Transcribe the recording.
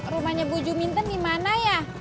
rumahnya bu juminten dimana ya